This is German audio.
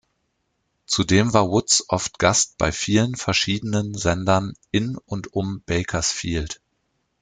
Zudem war Woods oft Gast bei vielen verschiedenen Sendern in und um Bakersfield.